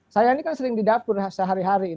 saya ini kan sering di dapur sehari hari